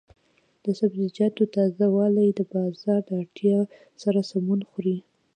د سبزیجاتو تازه والي د بازار د اړتیا سره سمون خوري.